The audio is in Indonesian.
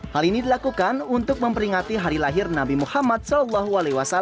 hal ini dilakukan untuk memperingati hari lahir nabi muhammad saw